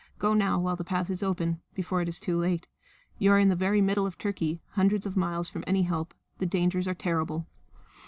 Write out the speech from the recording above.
Go now while the path is open before it is too late. You are in the very middle of Turkey, hundreds of miles from any help. The dangers are terrible."